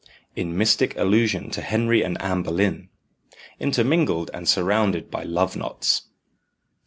(in mystic allusion to Henry and Anne Boleyn) intermingled and surrounded by love knots.